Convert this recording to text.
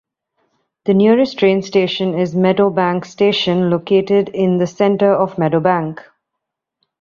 The nearest train station is Meadowbank Station, located in the centre of Meadowbank.